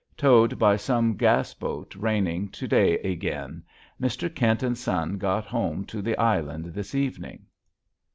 toed by som gassboth raining to Day egan. Mr. Kint and son got ome to the island this Evening.